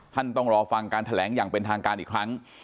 ต้องรอฟังการแถลงอย่างเป็นทางการอีกครั้ง